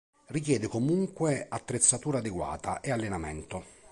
Richiede comunque attrezzatura adeguata e allenamento.